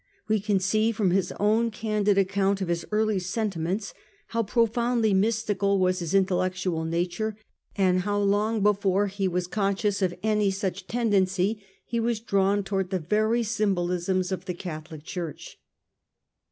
We can see from his own candid account of his early sentiments, how profoundly mystical was his intellectual nature, and how, long before he was conscious of any such tendency, he was drawn to wards the very symbolisms of the Catholic Church.